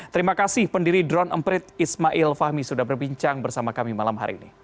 terima kasih pendiri drone emprit ismail fahmi sudah berbincang bersama kami malam hari ini